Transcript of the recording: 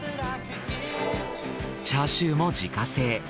チャーシューも自家製。